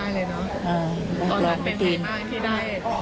ตอนนั้นเป็นใครบ้างที่ได้